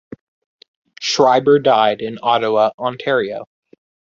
Schreiber died in Ottawa, Ontario.